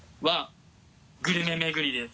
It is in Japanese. グルメ巡りです。